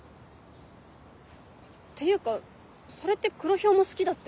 っていうかそれって黒ヒョウも好きだって。